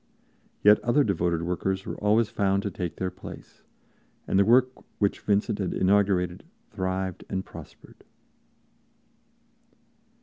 Yet other devoted workers were always found to take their place, and the work which Vincent had inaugurated thrived and prospered.